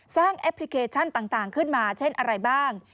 แอปพลิเคชันต่างขึ้นมาเช่นอะไรบ้าง